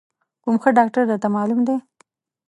کوم ښه ډاکتر درته معلوم دی؟